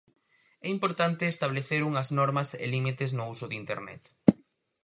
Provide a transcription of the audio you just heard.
É importante establecer unhas normas e límites no uso de Internet.